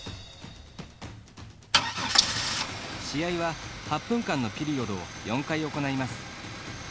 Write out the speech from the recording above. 試合は８分間のピリオドを４回行います。